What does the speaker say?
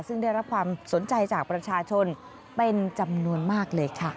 ซึ่งได้รับความสนใจจากประชาชนเป็นจำนวนมากเลยค่ะ